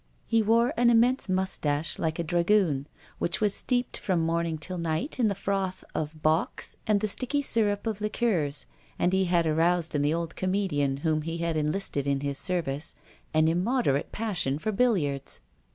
He wore an immense mustache like a dragoon, which was steeped from morning till night in the froth of bocks and the sticky syrup of liqueurs, and he had aroused in the old comedian whom he had enlisted in his service an immoderate passion for billiards.